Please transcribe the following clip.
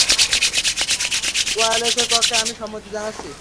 ওয়ালেসের পক্ষে, আমি সম্মতি জানাচ্ছি।